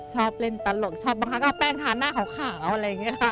ชอบเล่นตลกชอบบางครั้งก็เอาแป้งทานหน้าขาวอะไรอย่างนี้ค่ะ